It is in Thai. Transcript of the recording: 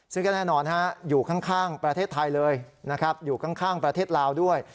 ซึ่งก็แน่นอนอยู่ข้างประเทศไทยเลยนะครับอยู่ข้างประเทศลาวด้วย